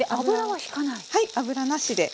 はい油なしで。